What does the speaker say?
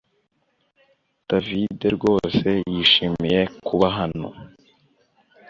David rwose yishimiye kuba hano